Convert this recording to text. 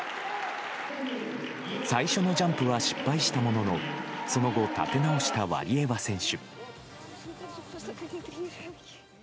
最初のジャンプは失敗したもののその後、立て直したワリエワ選手。